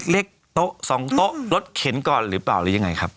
โต๊ะ๒โต๊ะรถเข็นก่อนหรือเปล่าหรือยังไงครับ